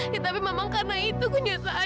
ya tapi memang karena itu kenyataan